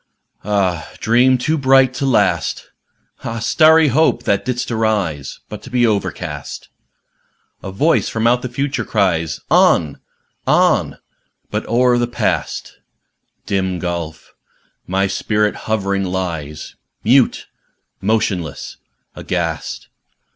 Ah, dream too bright to last! Ah, starry Hope! that didst arise But to be overcast! A voice from out the Future cries, "On! on!"âbut o'er the Past (Dim gulf!) my spirit hovering lies Mute, motionless, aghast!